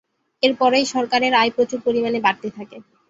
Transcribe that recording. এর পরেই সরকারের আয় প্রচুর পরিমাণে বাড়তে থাকে।